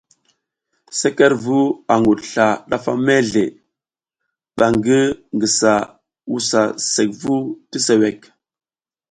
Sekerevu a ngudusla ndafa mezle, ɓa ngi ngisa wusa sekvu ti suwek.